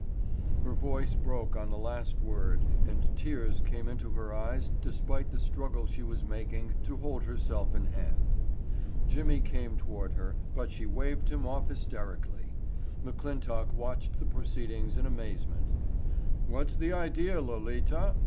Her voice broke on the last word and tears came into her eyes despite the struggle she was making to hold herself in hand. Jimmy came toward her, but she waved him off hysterically. McClintock watched the proceedings in amazement. "What's the idea, Lolita?"